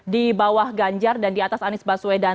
di bawah ganjar dan di atas anies baswedan